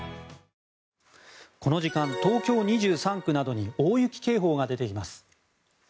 この時間東京２３区などに大雪警報が出ています。